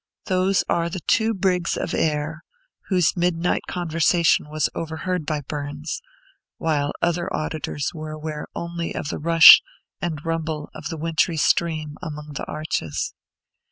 These are the "Two Briggs of Ayr," whose midnight conversation was overheard by Burns, while other auditors were aware only of the rush and rumble of the wintry stream among the arches.